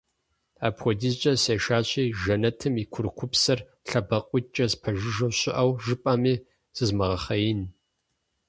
Апхуэдизкӏэ сешащи Жэнэтым и курыкупсэр лъэбакъуиткӏэ спэжыжэу щыӏэу жыпӏэми зызмыгъэхъеин.